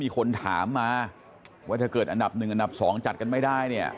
คนถามมาว่าถ้าเกิดอันดับ๑อันดับ๒จัดกันไม่ได้เนี่ย